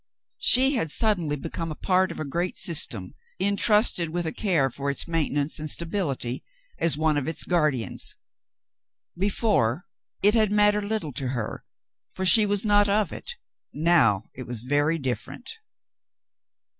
She had suddenly become a part of a great system, intrusted with a care for its maintenance and stability, as one of its guardians. Before, it had mattered little to her, for she was not of it. Now it was very different.